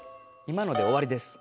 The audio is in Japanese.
今のでおわりです。